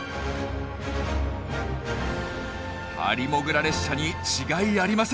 ハリモグラ列車に違いありません！